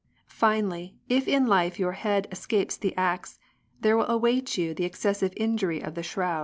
Finally, if in life your heads escape the axe, There will await you the excessive injury of the shroud.